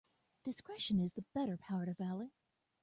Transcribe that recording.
Discretion is the better part of valour.